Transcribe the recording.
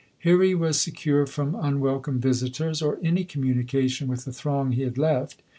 Here he was secure from un welcome visitors, or any communication with the throng he had left.